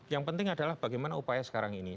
yang penting adalah bagaimana upaya sekarang ini